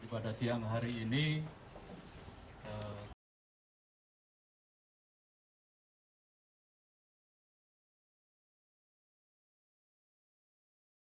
penangkapan dilakukan di sebuah pelaburan